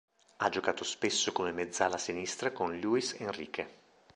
Ha giocato spesso come mezzala sinistra con Luis Enrique.